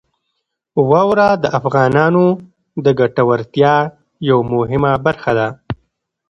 واوره د افغانانو د ګټورتیا یوه مهمه برخه ده.